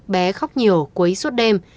bé khóc nhiều quấy suốt đêm